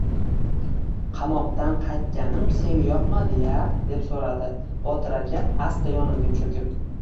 Qamoqdan qaytganim senga yoqmadi-ya, deb so`radi, Botir aka asta yonimga cho`kib